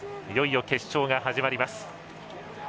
いよいよ決勝が始まります。